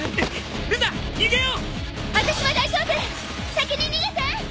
先に逃げて。